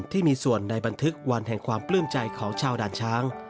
ที่มีส่วนในบันทึกวันแห่งความปลื้มใจของชาวด่านช้าง